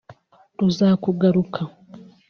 Ruzakugarura